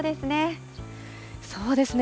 そうですね。